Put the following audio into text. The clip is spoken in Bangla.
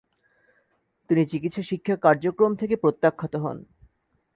তিনি চিকিৎসা শিক্ষা কার্যক্রম থেকে প্রত্যাখ্যাত হন।